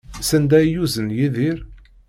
Sanda ay yuzen Yidir?